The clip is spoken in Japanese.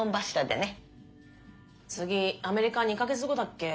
次アメリカ２か月後だっけ？